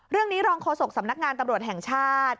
เรื่องนี้รองโฆษกสำนักงานตำรวจแห่งชาติ